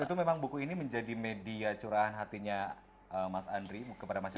itu memang buku ini menjadi media curahan hatinya mas andri kepada masyarakat